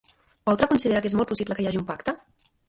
Oltra considera que és molt possible que hi hagi un pacte?